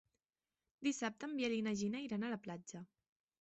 Dissabte en Biel i na Gina iran a la platja.